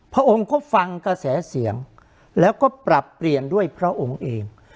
พระองค์ก็ฟังกระแสเสียงแล้วก็ปรับเปลี่ยนด้วยพระองค์เอง